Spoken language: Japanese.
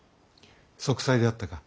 息災であったか。